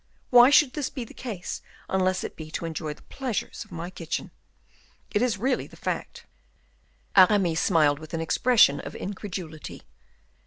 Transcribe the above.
Why should this be the case, unless it be to enjoy the pleasures of my kitchen? It is really the fact." Aramis smiled with an expression of incredulity.